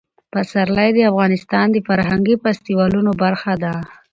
پسرلی د افغانستان د فرهنګي فستیوالونو برخه ده.